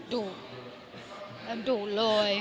ดูดงั้นดูเลย